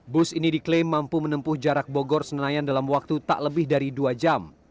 bus ini diklaim mampu menempuh jarak bogor senayan dalam waktu tak lebih dari dua jam